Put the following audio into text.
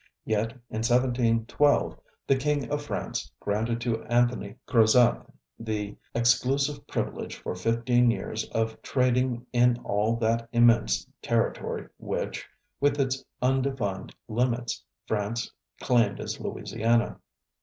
Yet, in 1712, the King of France granted to Anthony Crozat the exclusive privilege for fifteen years of trading in all that immense territory which, with its undefined limits, France claimed as Louisiana.